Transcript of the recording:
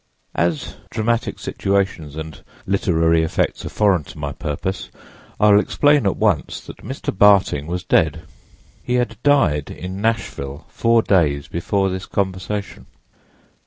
"As dramatic situations and literary effects are foreign to my purpose I will explain at once that Mr. Barting was dead. He had died in Nashville four days before this conversation.